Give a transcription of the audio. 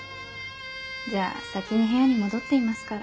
じゃあ先に部屋に戻っていますから。